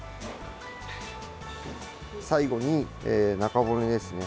最後に、中骨ですね。